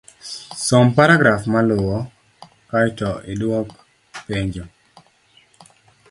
Som paragraf maluwo, kae to idwok penjo